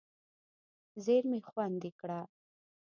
زېرمې خوندي کړه.